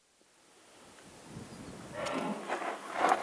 Mamlaka ya Kuhifadhi na Kuendeleza Mji Mkongwe ina mamlaka kamili